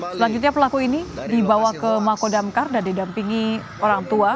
selanjutnya pelaku ini dibawa ke makodamkar dan didampingi orang tua